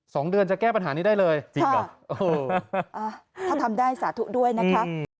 สองเดือนจะแก้ปัญหานี้ได้เลยจริงเหรอเอออ่าถ้าทำได้สาธุด้วยนะคะ